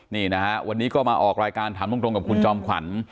นี่นะฮะวันนี้ก็มาออกรายการถามตรงกับคุณจอมขวัญ